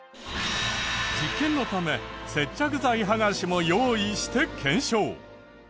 実験のため接着剤はがしも用意して検証。